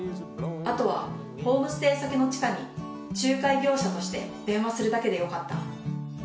あとはホームステイ先のチカに仲介業者として電話するだけでよかった。